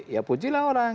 ya pujilah orang